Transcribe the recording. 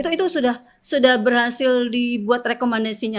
itu sudah berhasil dibuat rekomendasinya